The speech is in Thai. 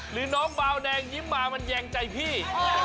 หรือน้องบาวแดงยิ้มมามันแยงใจพี่